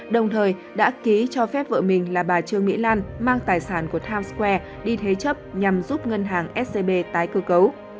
đồng thời đã ký cho phép vợ mình là bà trương mỹ lan mang tài sản của times square đi thế chấp nhằm giúp ngân hàng scb tái cơ cấu